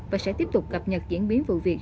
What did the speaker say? và sẽ tiếp tục cập nhật diễn biến vụ việc